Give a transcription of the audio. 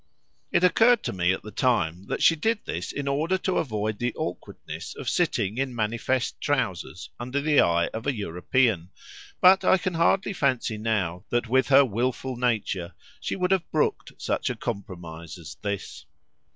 It occurred to me at the time that she did this in order to avoid the awkwardness of sitting in manifest trousers under the eye of an European, but I can hardly fancy now that with her wilful nature she would have brooked such a compromise as this.